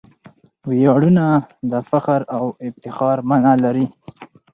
ویاړنه د فخر او افتخار مانا لري.